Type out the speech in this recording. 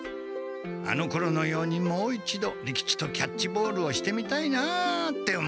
あのころのようにもう一度利吉とキャッチボールをしてみたいなって思って。